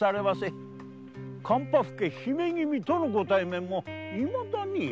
関白家姫君とのご対面もいまだに。